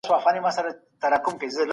عوامو مجلس څنګه د مشرانو جرګي سره کار کوي؟